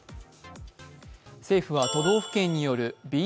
政府は、都道府県によるＢＡ．